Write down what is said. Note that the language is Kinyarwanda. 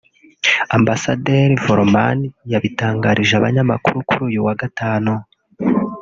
Ambasaderi Vrooman yabitangarije abanyamakuru kuri uyu wa Gatanu